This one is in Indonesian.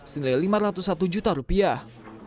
senilai lima ratus satu juta rupiah